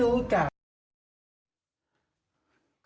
ไม่รู้จัก